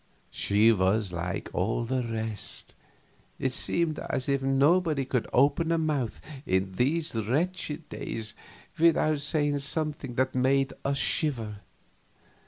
She was like all the rest; it seemed as if nobody could open a mouth, in these wretched days, without saying something that made us shiver.